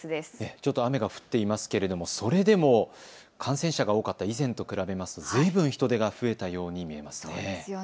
ちょっと雨が降っていますけれどもそれでも感染者が多かった以前と比べますとずいぶん人出が増えたように見えます。